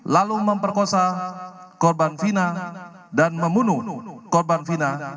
lalu memperkosa korban vina dan memunuh korban vina